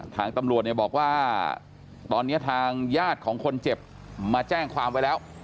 ทางตำรวจเนี่ยบอกว่าตอนนี้ทางญาติของคนเจ็บมาแจ้งความไว้แล้ว